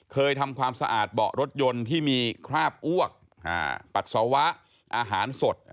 เคยทำความสะอาดเบาะรถยนต์ที่มีคราบอ้วกปัสสาวะอาหารสด